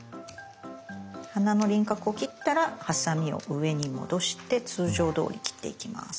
花の輪郭を切ったらハサミを上に戻して通常どおり切っていきます。